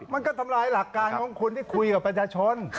มันก็ทำลายหลักการของคนที่คุยกับประชาชน